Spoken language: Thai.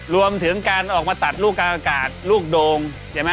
รวมถึงการออกมาตัดลูกกางกากาศลูกโดง